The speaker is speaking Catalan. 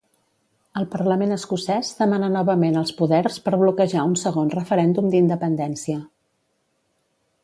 El Parlament Escocès demana novament els poders per bloquejar un segon referèndum d'independència.